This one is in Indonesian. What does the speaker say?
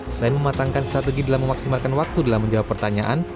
selain mematangkan strategi dalam memaksimalkan waktu dalam menjawab pertanyaan